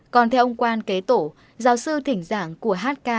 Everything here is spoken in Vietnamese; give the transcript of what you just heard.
còn theo ông quan kế tổ giáo sư thỉnh giảng của hk